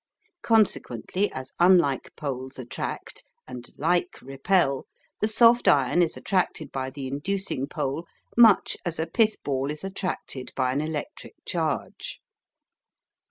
Consequently, as unlike poles attract and like repel, the soft iron is attracted by the inducing pole much as a pithball is attracted by an electric charge.